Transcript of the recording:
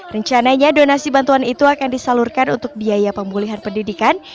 rencananya donasi bantuan itu akan disalurkan untuk biaya pemulihan pendidikan